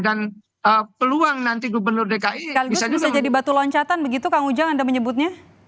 dan peluang nanti gubernur dki bisa jadi batu loncatan begitu kang ujang anda menyebutnya